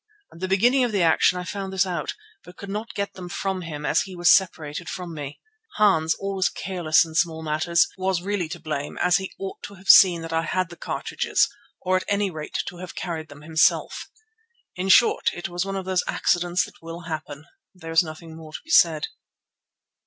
At the beginning of the action I found this out, but could not then get them from him as he was separated from me. Hans, always careless in small matters, was really to blame as he ought to have seen that I had the cartridges, or at any rate to have carried them himself. In short, it was one of those accidents that will happen. There is nothing more to be said.